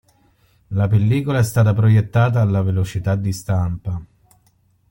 La pellicola è stata proiettata alla velocità di stampa.